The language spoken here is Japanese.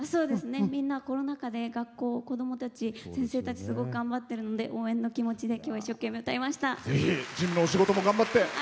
みんなコロナ禍で学校、子どもたち先生たち、すごい頑張ってるので応援の気持ちできょうは歌いました。